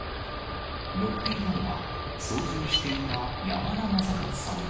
乗っていたのは、操縦していた山田正勝さん